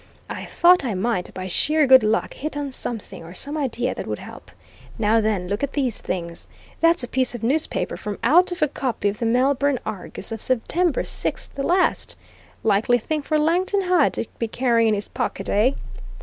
I thought I might, by sheer good luck, hit on something, or some idea that would help. Now then, look at these things. That's a piece of newspaper from out of a copy of the Melbourne Argus of September 6th last. Likely thing for Langton Hyde to be carrying in his pocket, eh?"